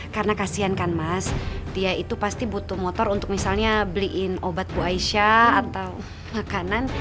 karena kasian kan mas dia itu pasti butuh motor untuk misalnya beliin obat bu aisyah atau makanan